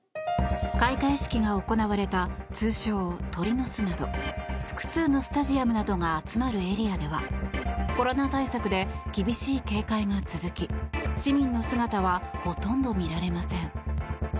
開会式が行われた通称・鳥の巣など複数のスタジアムなどが集まるエリアではコロナ対策で厳しい警戒が続き市民の姿はほとんど見られません。